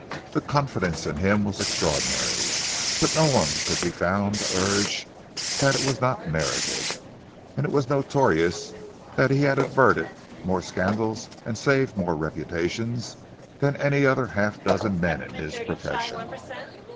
The confidence in him was extraordinary, but no one could be found to urge that it was not merited, and it was notorious that he had averted more scandals and saved more reputations than any other half dozen men in his profession.